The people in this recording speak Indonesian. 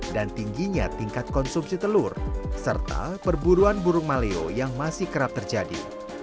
dan tingginya tingkat konsumsi telur serta perburuan burung maleo yang masih kerap terjadi